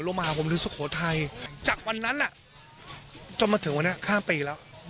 มาหาผมหรือสุโขทัยจากวันนั้นแหละจนมาถึงวันนี้ข้ามปีแล้ว